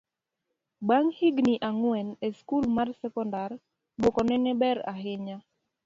bang' higni ang'wen e skul mar sekondar, dwokone ne ber ahinya